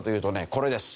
これです。